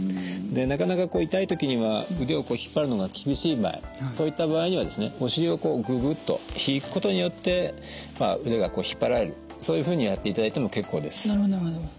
でなかなか痛い時には腕をこう引っ張るのが厳しい場合そういった場合にはですねお尻をこうぐぐっと引くことによって腕が引っ張られるそういうふうにやっていただいても結構です。